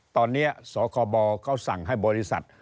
ตอนนี้สคบเขาสั่งให้บริษัท